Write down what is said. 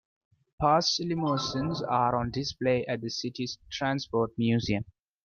Past limousines are on display at the city's Transport Museum.